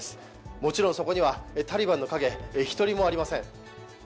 もちろんそこにはタリバンの陰１人もありません。